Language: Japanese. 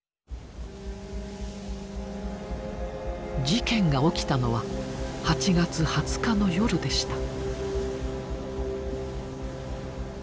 事件が起きたのは８月２０日の夜でした。